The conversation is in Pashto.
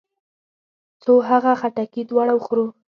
څو هغه خټکي دواړه وخورو.